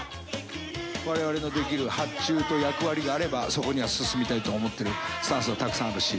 われわれのできる発注と役割があれば、そこには進みたいと思っている、スタンスはたくさんあるし。